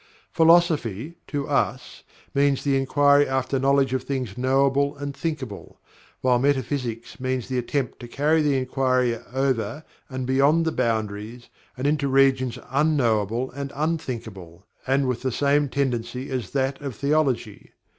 Philosophy, to us, means the inquiry after knowledge of things knowable and thinkable; while Metaphysics means the attempt to carry the inquiry over and beyond the boundaries and into regions unknowable and unthinkable, and with the same tendency as that of Theology.